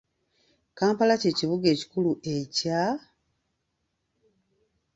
Kampala kye kibuga ekikulu ekya?